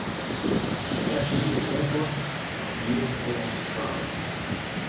De webside is oanpast en alhiel Hollânsktalich